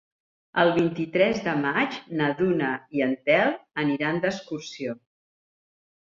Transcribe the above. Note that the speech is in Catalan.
El vint-i-tres de maig na Duna i en Telm aniran d'excursió.